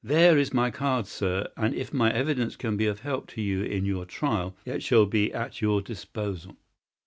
There is my card, sir, and if my evidence can be of help to you in your trial it shall be at your disposal."